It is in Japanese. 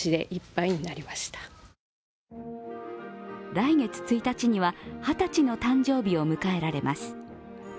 来月１日には、二十歳の誕生日を迎えられます。